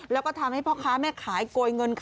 แล้วก็ทำให้พ่อค้าแม่ขายโกยเงินค่ะ